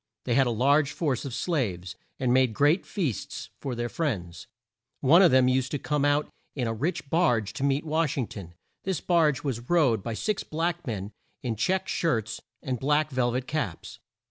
They had a large force of slaves, and made great feasts for their friends. One of them used to come out in a rich barge to meet Wash ing ton. This barge was rowed by six black men in check shirts and black vel vet caps.